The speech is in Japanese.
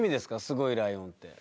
すごいライオンって。